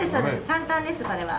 簡単ですこれは。